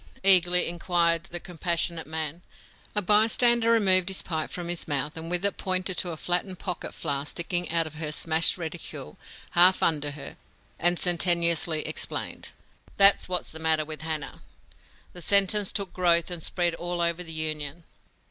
eagerly inquired the compassionate man. A bystander removed his pipe from his mouth, and with it pointed to a flattened pocket flask sticking out of her smashed reticule, half under her, and sententiously explained: "That's what's the matter with Hannah!" The sentence took growth and spread all over the Union.